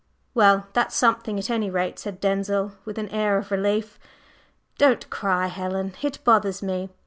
"Well, that's something, at any rate," said Denzil, with an air of relief. "Don't cry, Helen, it bothers me.